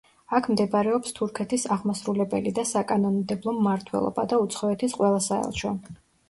აქ მდებარეობს თურქეთის აღმასრულებელი და საკანონმდებლო მმართველობა და უცხოეთის ყველა საელჩო.